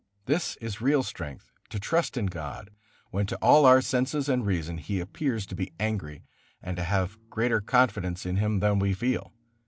This is real strength, to trust in God when to all our senses and reason He appears to be angry; and to have greater confidence in Him than we feel.